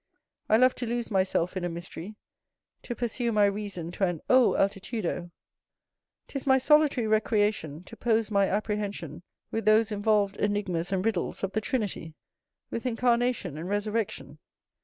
I love to lose myself in a mystery; to pursue my reason to an O altitudo! 'Tis my solitary recreation to pose my apprehension with those involved enigmas and riddles of the Trinity with incarnation and resurrection.